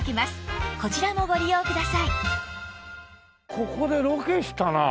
ここでロケしたな！